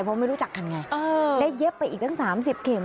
เพราะไม่รู้จักกันไงได้เย็บไปอีกตั้ง๓๐เข็ม